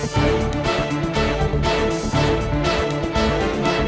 saya posisinya ada di